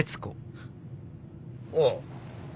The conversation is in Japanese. おう。